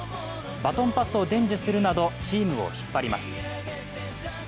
バトンパスを伝授するなどチームを引っ張ります。